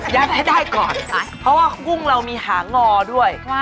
ให้ได้ก่อนเพราะว่ากุ้งเรามีหางอด้วย